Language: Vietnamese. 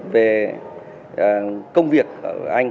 về công việc ở anh